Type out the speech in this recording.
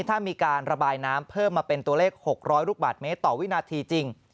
ถ้ามีการระบายน้ำเพิ่มมาเป็นตัวเลข๖๐๐ลูกบาทเมตรต่อวินาทีจริง